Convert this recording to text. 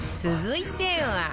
続いては